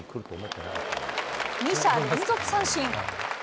２者連続三振。